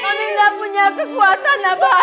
mami enggak punya kekuasaan nak paham